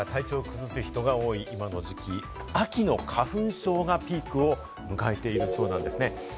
寒暖差から体調を崩す人が多い今の時期、秋の花粉症がピークを迎えているそうなんですね。